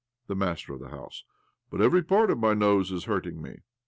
The master of the house: But every part of my nose is hurting me